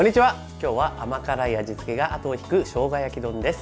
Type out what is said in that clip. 今日は甘辛い味付けがあとを引くしょうが焼き丼です。